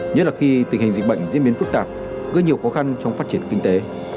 nhất là khi tình hình dịch bệnh diễn biến phức tạp gây nhiều khó khăn trong phát triển kinh tế